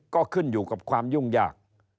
ก็ขึ้นอยู่กับความยุ่งยาก